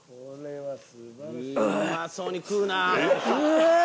うまそうに食うなあ。